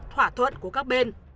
thỏa thuận của các bên